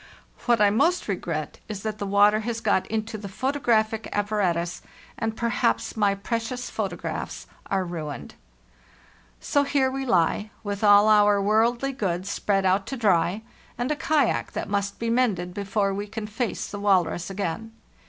"What I most regret is that the water has got into the photographic apparatus, and perhaps my precious pho tographs are ruined. "So here we he, with all our worldly goods spread out to dry and a kayak that must be mended before we can face the walrus again.